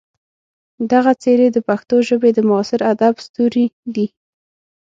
دغه څېرې د پښتو ژبې د معاصر ادب ستوري دي.